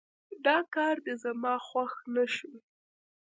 دا کار دې زما خوښ نه شو